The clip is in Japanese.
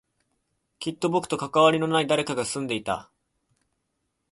きっと僕と関わりのない誰かが住んでいた